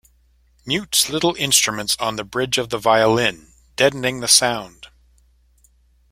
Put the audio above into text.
Mutes little instruments on the bridge of the violin, deadening the sound.